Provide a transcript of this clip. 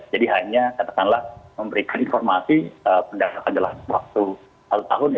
jadi hanya katakanlah memberikan informasi pendatang adalah waktu hal tahun ya